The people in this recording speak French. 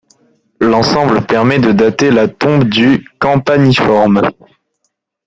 L'ensemble permet de dater la tombe du Campaniforme.